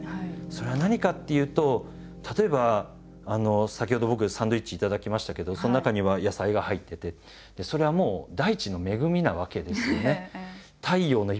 それは何かっていうと例えば先ほど僕サンドイッチ頂きましたけどその中には野菜が入っててそれはもう大地の恵みなわけですよね。